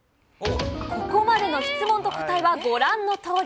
ここまでの質問と答えは、ご覧のとおり。